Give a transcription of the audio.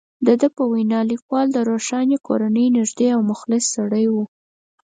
د ده په وینا، لیکوال د روښاني کورنۍ نږدې او مخلص سړی وو.